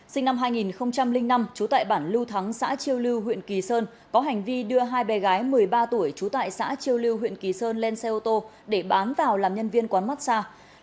sinh năm hai nghìn năm trú tại bản lưu thắng xã chiêu lưu huyện kỳ sơn có hành vi đưa hai bé gái một mươi ba tuổi trú tại xã chiêu lưu huyện kỳ sơn lên xe ô tô để bán vào làm nhân viên quán massage